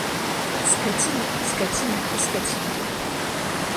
Скаціна, скаціна і скаціна!